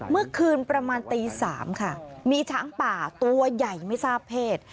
เมื่อคืนประมาณตี๓ค่ะมีช้างป่าตัวใหญ่ไม่ทราบเพศ